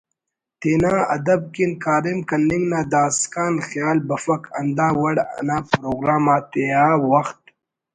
تینا ادب کن کاریم کننگ نا داسکان خیال بفک ہندا وڑ انا پروگرام آتیا وخت